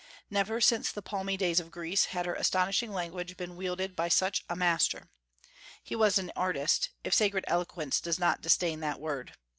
Never, since the palmy days of Greece, had her astonishing language been wielded by such a master. He was an artist, if sacred eloquence does not disdain that word.